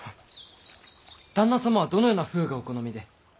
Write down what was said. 旦那様はどのような風がお好みで。